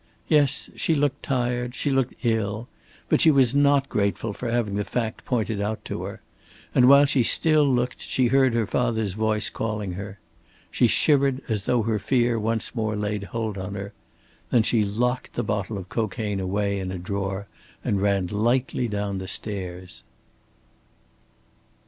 Yes, she looked tired, she looked ill. But she was not grateful for having the fact pointed out to her. And while she still looked, she heard her father's voice calling her. She shivered, as though her fear once more laid hold on her. Then she locked the bottle of cocaine away in a drawer and ran lightly down the stairs.